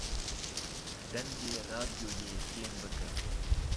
Dengê radyoyê kêm bike